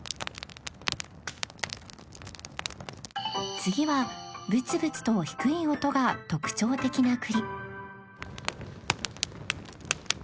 次はブツブツと低い音が特徴的な栗